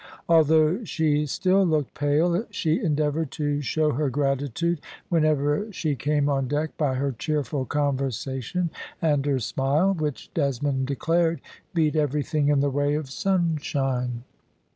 Although she still looked pale, she endeavoured to show her gratitude whenever she came on deck by her cheerful conversation and her smile, which Desmond declared beat everything in the way of sunshine.